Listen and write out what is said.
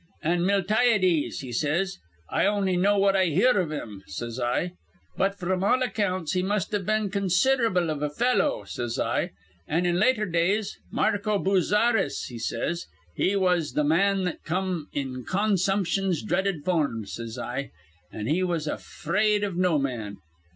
'An' Miltiades,' he says. 'I on'y know what I hear iv him,' says I. 'But fr'm all accounts he must have been consid'rable iv a fellow,' says I. 'An' in later days Marco Boozaris,' he says. 'He was th' man that come in con sumption's dreaded form,' says I, 'an' he was afraid iv no man.'